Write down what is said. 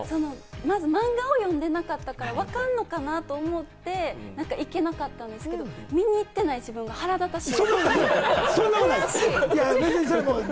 まず漫画を読んでなかったから、わかんのかなぁ？と思って、いけなかったんですけど、見に行ってない自分が腹立たしい。